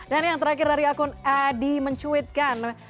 dan yang terakhir dari akun adi mencuitkan